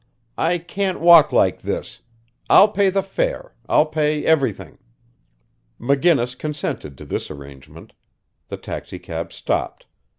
"I can't walk like this. I'll pay the fare I'll pay everything." McGinnis consented to this arrangement. The taxicab stopped.